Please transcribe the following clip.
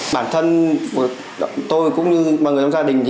bản thân tôi cũng như mọi người trong gia đình